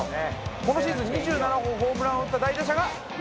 このシーズン２７本ホームランを打った代打者が。